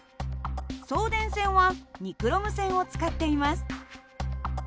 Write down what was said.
送電線はニクロム線を使っています。